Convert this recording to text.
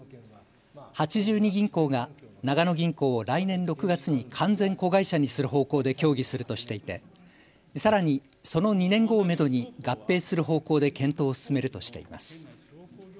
八十二銀行が長野銀行を来年６月に完全子会社にする方向で協議するとしていてさらにその２年後をめどに合併する方向で検討を進めるとしています。